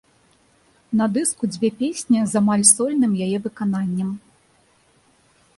На дыску дзве песні з амаль сольным яе выкананнем.